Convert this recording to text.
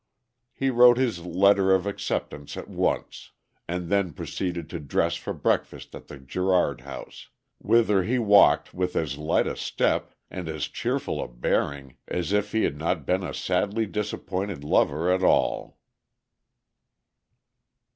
He wrote his letter of acceptance at once, and then proceeded to dress for breakfast at the Girard House, whither he walked with as light a step and as cheerful a bearing as if he had not been a sadly disappointed lover at all.